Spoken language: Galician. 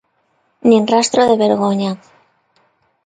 Nin rastro de vergoña.